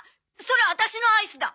それアタシのアイスだ。